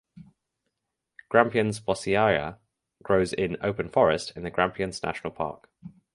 Grampians bossiaea grows in open forest in the Grampians National Park.